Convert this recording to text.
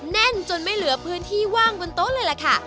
แน่นจนไม่เหลือพื้นที่ว่างบนโต๊ะเลยล่ะค่ะ